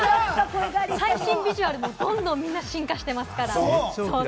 最新ビジュアルもどんどん、みんな進化してますから。